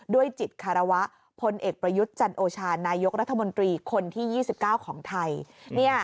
ด้วยจิตคารวะพลเอกประยุทธ์จันโอชานายกรัฐมนตรีคนที่๒๙ของไทย